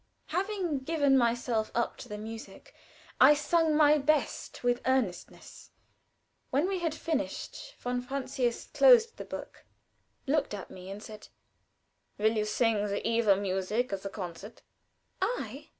Having given myself up to the music, I sung my best with earnestness. When we had finished von Francius closed the book, looked at me, and said: "Will you sing the 'Eva' music at the concert?" "I?"